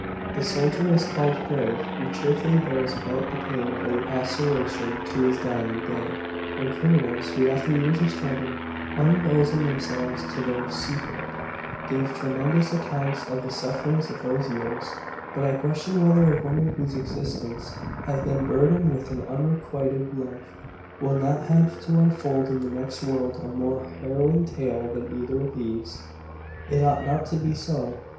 The soldier is called brave who cheerfully bears about the pain of a laceration to his dying day; and criminals, who, after years of struggle, unbosom themselves of their secret, give tremendous accounts of the sufferings of those years; but I question whether a woman whose existence has been burdened with an unrequited love, will not have to unfold in the next world a more harrowing tale than either of these." "It ought not to be so."